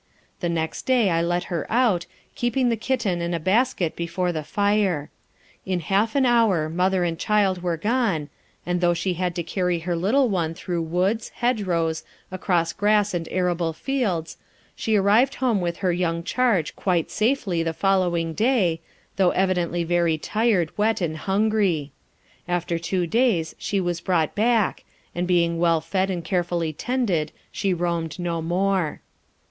The next day I let her out, keeping the kitten in a basket before the fire. In half an hour mother and child were gone, and though she had to carry her little one through woods, hedgerows, across grass and arable fields, she arrived home with her young charge quite safely the following day, though evidently very tired, wet, and hungry. After two days she was brought back, and being well fed and carefully tended, she roamed no more.